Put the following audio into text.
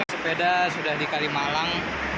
sepeda sudah di kalimalang